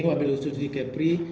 yang wabidul sukses di kepri